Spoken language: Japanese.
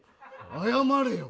謝れよ。